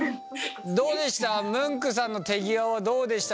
どうでした？